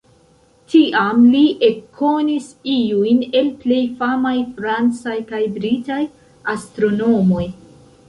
Tiam li ekkonis iujn el plej famaj francaj kaj britaj astronomoj.